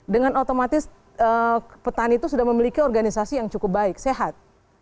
dengan otomatis petani itu sudah memiliki organisasi yang cukup baik sehat